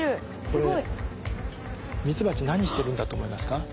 すごい。ミツバチ何してるんだと思いますか？